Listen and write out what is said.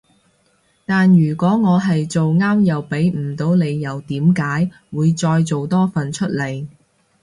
但如果我係做啱又畀唔到理由點解會再做多份出嚟